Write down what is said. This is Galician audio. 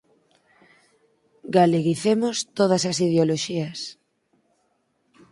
'Galeguicemos todas as ideoloxías'.